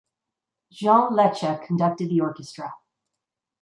Jean Leccia conducted the orchestra.